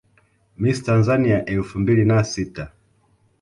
Miss Tanzania elfu mbili na sita